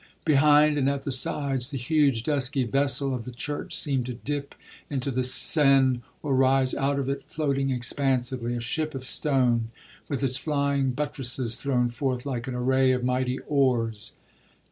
Behind and at the sides the huge, dusky vessel of the church seemed to dip into the Seine or rise out of it, floating expansively a ship of stone with its flying buttresses thrown forth like an array of mighty oars.